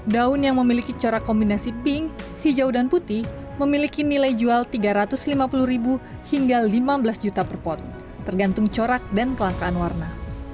daun yang memiliki corak kombinasi pink hijau dan putih memiliki nilai jual tiga ratus lima puluh hingga lima belas juta per pot tergantung corak dan kelangkaan warna